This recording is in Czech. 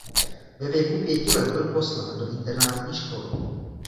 Ve věku pěti let byl poslán do internátní školy.